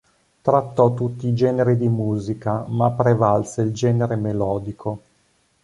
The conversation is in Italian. Trattò tutti i generi di musica, ma prevalse il genere melodico.